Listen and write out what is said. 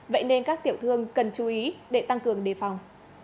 vậy nên các tiểu thương cần chú ý để tăng cường đề phòng